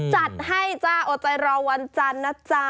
จัดให้จ้าโอใจรอวันจันทร์นะจ๊ะ